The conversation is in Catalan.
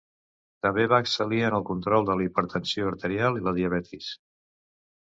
També va excel·lir en el control de la hipertensió arterial i la diabetis.